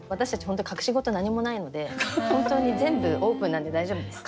本当に隠し事何もないので本当に全部オープンなんで大丈夫です。